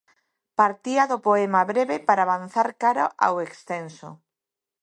Partía do poema breve para avanzar cara ao extenso.